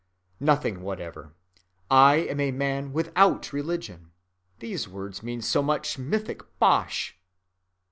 Nothing whatever. I am a man without a religion. These words mean so much mythic bosh.